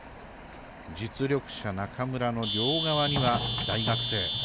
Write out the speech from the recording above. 実力者・中村の両側には大学生。